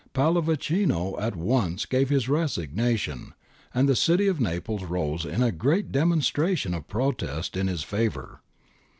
Pallavicino at once gave in his resignation, and the city of Naples rose in a great demonstration of protest in his favour.